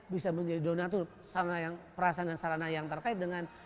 bisa menjadi donatur perasaan dan sarana yang terkait dengan